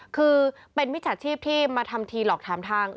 คือเป็นมิจฉาชีพที่มาทำทีหลอกถามทาง